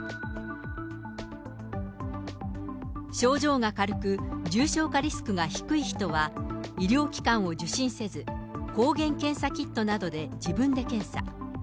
症状が軽く、重症化リスクが低い人は、医療機関を受診せず、抗原検査キットなどで自分で検査。